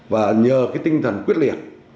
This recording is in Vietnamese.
và nhờ cái tinh thần quyết liệt